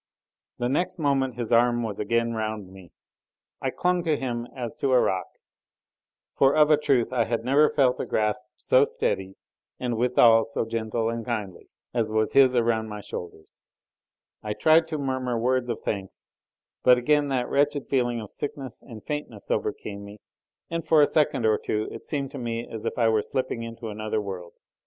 The next moment his arm was again round me. I clung to him as to a rock, for of a truth I had never felt a grasp so steady and withal so gentle and kindly, as was his around my shoulders. I tried to murmur words of thanks, but again that wretched feeling of sickness and faintness overcame me, and for a second or two it seemed to me as if I were slipping into another world.